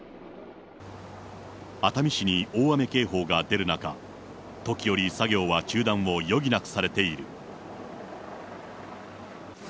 熱海市に大雨警報が出る中、時折、作業は中断を余儀なくされている。